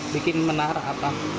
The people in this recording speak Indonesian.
bikin menara apa